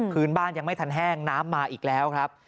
พื้นบ้านยังไม่ทันแห้งน้ำมาอีกแล้วครับ